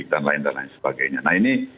dan lain lain sebagainya nah ini